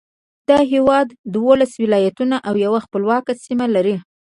دا هېواد دولس ولایتونه او یوه خپلواکه سیمه لري.